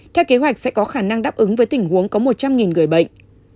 theo kế hoạch sẽ có khả năng đáp ứng với tình huống có một trăm linh người bệnh